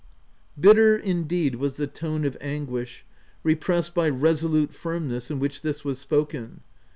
Bitter indeed, was the tone of anguish, re pressed by resolute firmness, in which this was spoken.